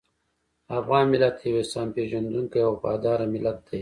افغان ملت یو احسان پېژندونکی او وفاداره ملت دی.